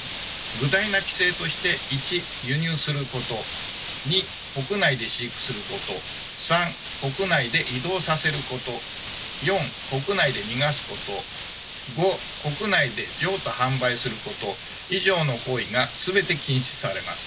具体な規制として１輸入すること２国内で飼育すること３国内で移動させること４国内で逃がすこと５国内で譲渡販売すること以上の行為が全て禁止されます。